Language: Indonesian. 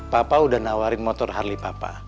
papa udah nawarin motor harley papa